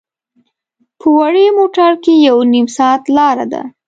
په وړې موټر کې یو نیم ساعت لاره ده.